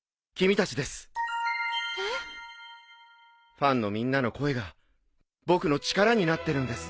ファンのみんなの声が僕の力になってるんです。